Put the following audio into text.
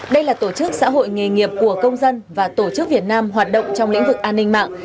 đây là tổ chức xã hội nghề nghiệp của công dân và tổ chức việt nam hoạt động trong lĩnh vực an ninh mạng